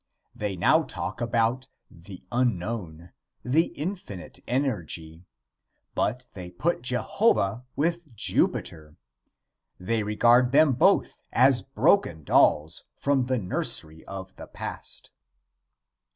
They now talk about the "Unknown," the "Infinite Energy," but they put Jehovah with Jupiter. They regard them both as broken dolls from the nursery of the past.